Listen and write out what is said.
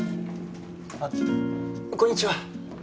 あっこんにちは。